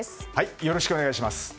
よろしくお願いします。